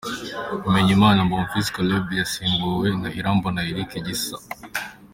Bimenyimana Bonfils Caleb yasimbuwe na Irambona Eric Gisa.